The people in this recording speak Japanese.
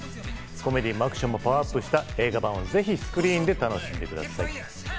コメディーもアクションもパワーアップした映画版をぜひスクリーンで楽しんでください。